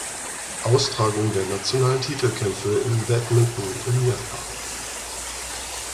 Austragung der nationalen Titelkämpfe im Badminton in Japan.